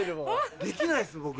できないっす僕。